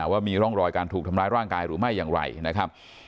ว่ามีร่องรอยการถูกทำร้ายร่างกายหรือไม่อย่างไรนะครับ